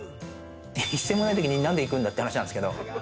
１銭もないときに何で行くんだって話なんですけれども。